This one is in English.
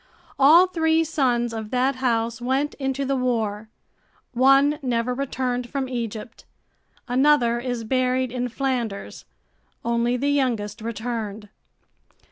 All three sons of that house went into the war. One never returned from Egypt, another is buried in Flanders. Only the youngest returned.